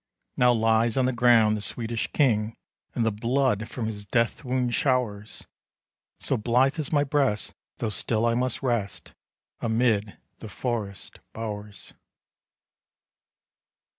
Now lies on the ground the Swedish King, And the blood from his death wound showers; So blythe is my breast, though still I must rest Amid the forest bowers.